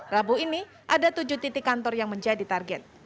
rabu ini ada tujuh titik kantor yang menjadi target